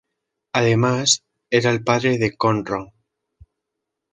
Además era el padre de Kong Rong.